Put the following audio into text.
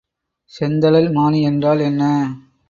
செந்தழல்மானி என்றால் என்ன?